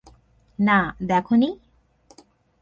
না, দেখোনি!